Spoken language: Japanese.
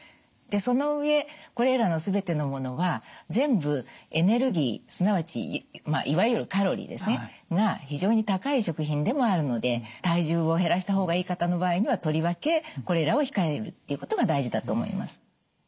でその上これらの全てのものは全部エネルギーすなわちいわゆるカロリーですねが非常に高い食品でもあるので体重を減らした方がいい方の場合にはとりわけこれらを控えるっていうことが大事だと思います。